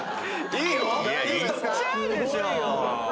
いっちゃうでしょ！